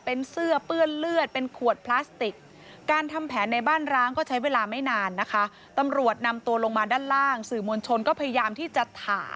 เป็นเสื้อเปื้อนเลือด